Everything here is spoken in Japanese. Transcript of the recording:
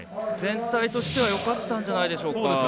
全体としてはよかったんじゃないでしょうか。